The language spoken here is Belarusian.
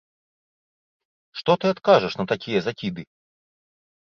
Што ты адкажаш на такія закіды?